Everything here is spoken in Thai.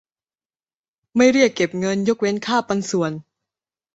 ไม่เรียกเก็บเงิน ยกเว้นค่าปันส่วน